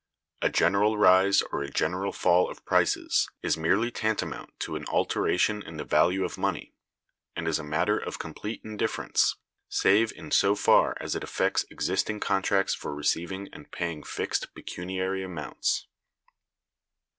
A general rise or a general fall of prices is merely tantamount to an alteration in the value of money, and is a matter of complete indifference, save in so far as it affects existing contracts for receiving and paying fixed pecuniary amounts.